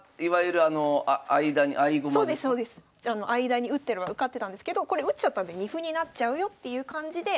間に打ってれば受かってたんですけどこれ打っちゃったんで二歩になっちゃうよっていう感じで。